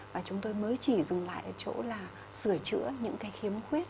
và chúng tôi mới chỉ dừng lại ở chỗ là sửa chữa những cái khiếm khuyết